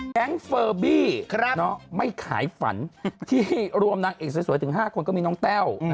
เฟอร์บี้ไม่ขายฝันที่รวมนางเอกสวยถึง๕คนก็มีน้องแต้ว